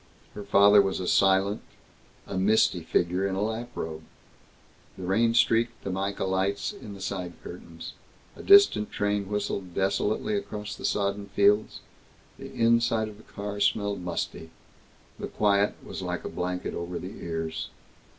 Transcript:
Her father was silent, a misty figure in a lap robe. The rain streaked the mica lights in the side curtains. A distant train whistled desolately across the sodden fields. The inside of the car smelled musty. The quiet was like a blanket over the ears.